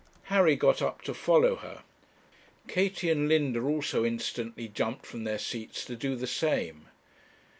Harry got up to follow her. Katie and Linda also instantly jumped from their seats to do the same.